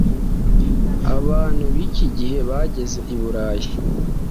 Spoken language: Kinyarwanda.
Abantu b'iki gihe bageze i Burayi